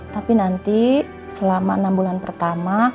tapi nanti selama enam bulan pertama